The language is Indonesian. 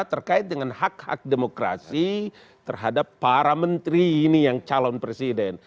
terkait dengan hak hak demokrasi terhadap para menteri ini yang calon presiden